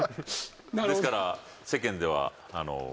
ですから世間では。